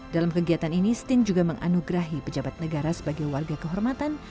dalam kegiatan ini stin juga menganugerahi pejabat negara sebagai warga kehormatan